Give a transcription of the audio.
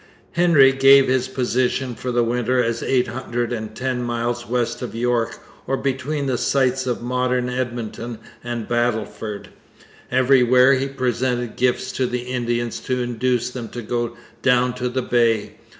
Hendry gave his position for the winter as eight hundred and ten miles west of York, or between the sites of modern Edmonton and Battleford. Everywhere he presented gifts to the Indians to induce them to go down to the Bay.